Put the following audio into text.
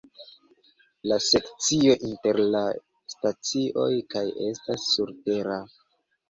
La sekcio inter la stacioj kaj estas surtera.